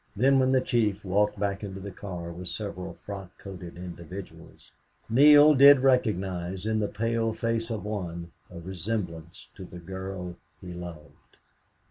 Then when the chief walked back into the car with several frock coated individuals, Neale did recognize in the pale face of one a resemblance to the girl he loved.